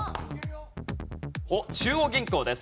おっ中央銀行です。